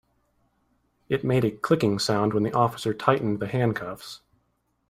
It made a clicking sound when the officer tightened the handcuffs.